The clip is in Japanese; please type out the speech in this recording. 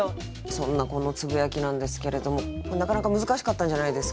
そんなこのつぶやきなんですけれどもなかなか難しかったんじゃないですか？